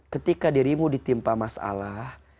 ketika dirimu ditimpa masalah